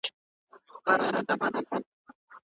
تر بایسکل زه پلی تګ ښه کولای شم خو سړک پوخ ده.